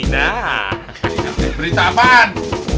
nah berita apaan